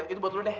itu buat lo deh